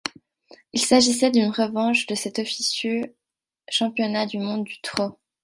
Il s'agissait d'unerevanche de cet officieux championnat du monde du trot.